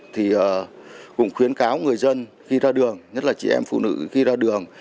thì cũng khuyến cáo người dân khi ra đường nhất là chị em phụ nữ khi ra đường